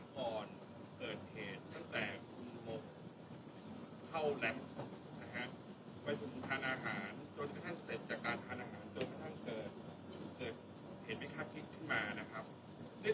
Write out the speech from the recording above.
คำนวณได้ไหมครับว่าตั้งแต่ก่อนที่เข้าแรมป์เนี่ย